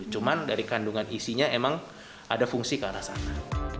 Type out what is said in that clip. cuman dari kandungan isinya emang ada fungsi ke arah sana